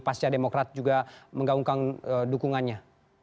pasca demokrat juga menggaungkan dukungannya